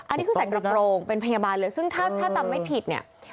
อันนี้คือใส่กระโปรงเป็นพยาบาลเลยซึ่งถ้าจำไม่ผิดเนี่ย